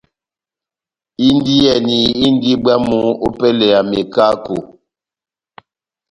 Indiyɛni indi bwámu ópɛlɛ ya mekako.